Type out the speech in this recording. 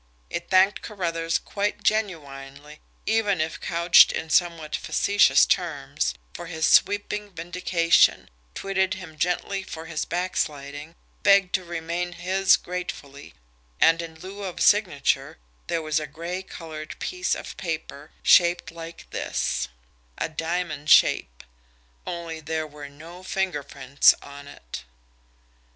It thanked Carruthers quite genuinely, even if couched in somewhat facetious terms, for his "sweeping vindication," twitted him gently for his "backsliding," begged to remain "his gratefully," and in lieu of signature there was a gray coloured piece of paper shaped like this: [Picture] Only there were no fingerprints on it.